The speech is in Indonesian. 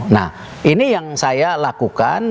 nah ini yang saya lakukan